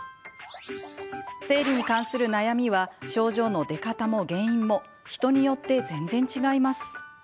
生理に関する悩みは症状の出方も原因も人によって全然、違います。